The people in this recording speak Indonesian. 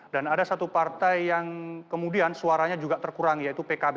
dan ada satu partai yang kemudian suaranya juga terkurangi yaitu pkb